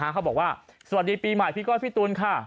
เขาบอกว่าสวัสดีปีใหม่พี่ก้อยพี่ตูนค่ะ